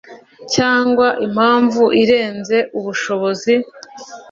cyangwa impamvu irenze ubushobozi